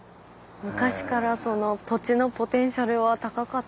昔から土地のポテンシャルは高かったですね。